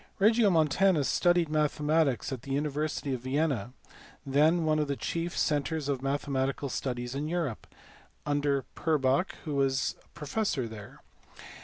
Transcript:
Regiomontanus studied mathematics at the university of Vienna, then one of the chief centres of mathematical studies in Europe, under Purbach who was professor there.